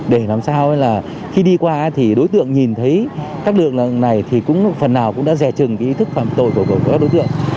để làm sao khi đi qua thì đối tượng nhìn thấy các đường này thì phần nào cũng đã rè trừng ý thức phạm tội của các đối tượng